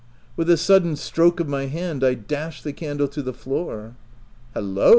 With a sudden stroke of my hand, I dashed the candle to the floor. " Hal lo !"